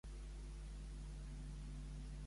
Qui és el president d'Espanya?